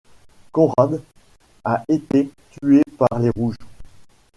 Conrad a été tué par les Rouges.